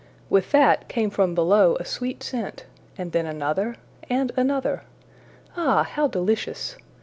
With that came from below a sweet scent, then another, and another. Ah, how delicious!